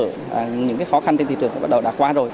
tất cả những khó khăn trên thị trường bắt đầu đã qua rồi